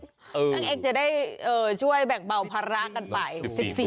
นางเอ็กซจะได้ช่วยแบ่งเบาภาระกันไป